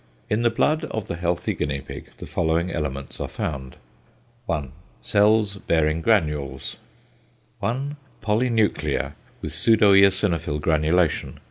In the blood of the healthy guinea pig the following elements are found. I. Cells bearing granules. 1. =Polynuclear, with pseudoeosinophil granulation.